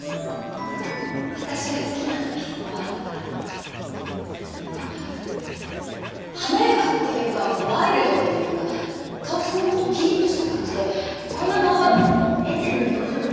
私の好きなあの人は何ていうか華やかっていうかワイルドっていうか顔つきももっとキリッとした感じでこんなどうが。